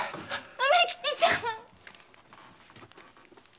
梅吉さん！